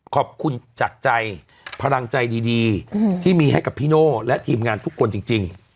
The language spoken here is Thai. ขอบคุณจากใจพลังใจดีที่มีให้กับพี่โน่และทีมงานทุกคนจริง